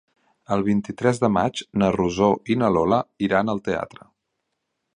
El vint-i-tres de maig na Rosó i na Lola iran al teatre.